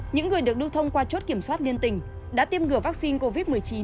những người được lưu thông qua chốt kiểm soát liên tỉnh đã tiêm ngừa vaccine covid một mươi chín